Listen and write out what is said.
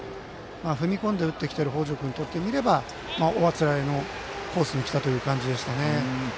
踏み込んで打ってきている北條君にとってはおあつらえ向きという感じでしたね。